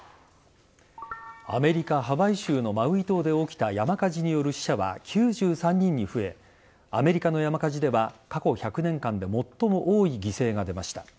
アメリカ・ハワイ州のマウイ島で起きた山火事による死者は９３人に増えアメリカの山火事では過去１００年間で最も多い犠牲が出ました。